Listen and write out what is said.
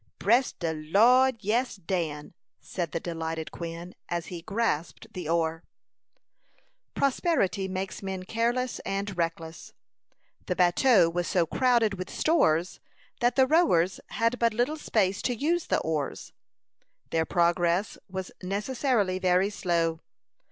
"Bress de Lo'd, yes, Dan," said the delighted Quin, as he grasped the oar. Prosperity makes men careless and reckless. The bateau was so crowded with stores that the rowers had but little space to use the oars. Their progress was necessarily very slow.